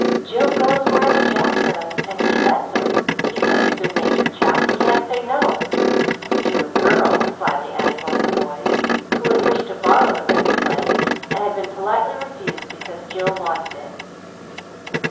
"Jill goes wherever Jack does, and he lets her. He's such a good natured chap, he can't say 'No.'" "To a girl," slyly added one of the boys, who had wished to borrow the red sled, and had been politely refused because Jill wanted it.